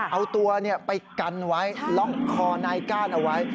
เอาตัวไปกันไว้ล็อกคอนายก้านเอาไว้